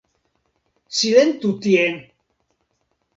Silentu tie!